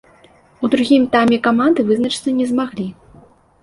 У другім тайме каманды вызначыцца не змаглі.